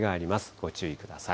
ご注意ください。